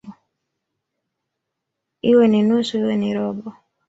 "Iwe ni nusu, iwe ni robo"